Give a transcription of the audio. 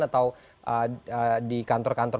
atau di kantor kantor